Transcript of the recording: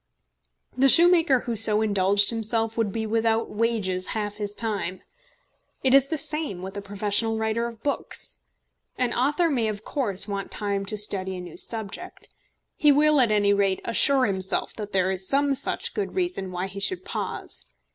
The shoemaker who so indulged himself would be without wages half his time. It is the same with a professional writer of books. An author may of course want time to study a new subject. He will at any rate assure himself that there is some such good reason why he should pause.